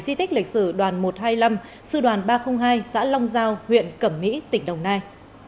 di tích lịch sử đoàn một trăm hai mươi năm sư đoàn ba trăm linh hai xã long giao huyện cẩm mỹ tỉnh đồng nai